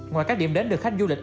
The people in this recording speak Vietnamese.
ngoài các điểm đến được khách du lịch